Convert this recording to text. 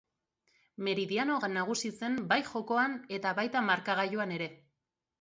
Meridiano nagusi zen bai jokoan eta baita markagailuan ere.